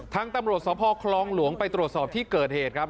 ทั้งต้มกสพครองหลวงไปตรวจสอบที่เกิดเหตุครับ